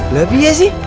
gak biasa sih